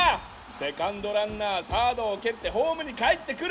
セカンドランナーサードを蹴ってホームにかえってくる！